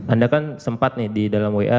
anda kan sempat nih di dalam wa